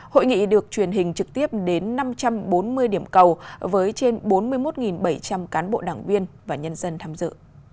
hội nghị được truyền hình trực tiếp đến năm trăm bốn mươi điểm cầu với trên bốn mươi một bảy trăm linh cán bộ đảng viên và nhân dân tham dự